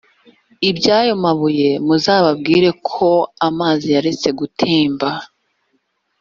iby’ayo mabuye muzababwire ko amazi yaretse gutemba